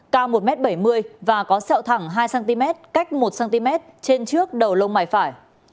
cao một m bảy mươi và có sẹo thẳng hai cm cách một cm trên trước đầu lông mày phải